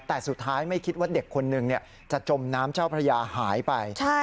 แต่สุดท้ายไม่คิดว่าเด็กคนหนึ่งจะจมน้ำเจ้าพระยาหายไป